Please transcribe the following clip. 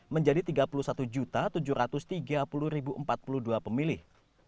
menjadi tiga puluh satu tujuh ratus tiga puluh empat puluh dua pemilih